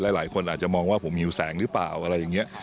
หลายคนอาจจะมองว่าผมหิวแสงหรือเปล่าอะไรอย่างนี้